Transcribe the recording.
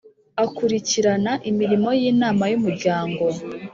akurikirana imirimo y'inama y'umuryango